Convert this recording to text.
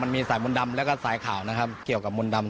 มีสายมนต์ดำแล้วก็สายข่าวนะครับเกี่ยวกับมนต์ดำ